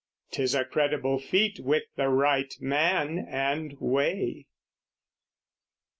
'Tis a credible feat With the right man and way.